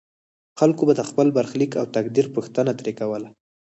خلکو به د خپل برخلیک او تقدیر پوښتنه ترې کوله.